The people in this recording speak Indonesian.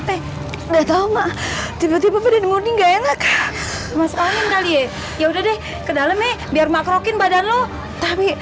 enggak tahu mak tiba tiba benih murni enggak enak ya udah deh kedalem ya biar makrokin badan lu tapi